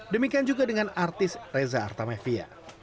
demikian juga dengan artis reza arta mevia